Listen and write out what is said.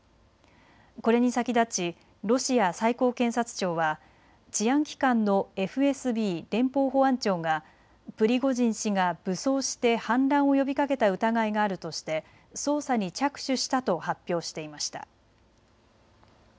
これに先立ちロシア最高検察庁は治安機関のＦＳＢ・連邦保安庁がプリゴジン氏が武装して反乱を呼びかけた疑いがあるとして捜査に着手したと発表していました。